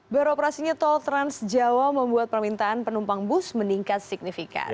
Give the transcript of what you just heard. beroperasinya tol trans jawa membuat permintaan penumpang bus meningkat signifikan